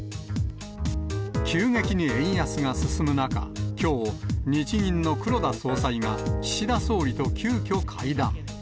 急激に円安が進む中、きょう、日銀の黒田総裁が岸田総理と急きょ会談。